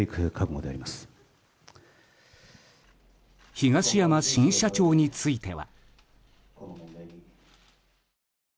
東山新社長については。